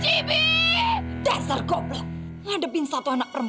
siapa tahu lagi kabar orang yang sedang ketemu buah ular ini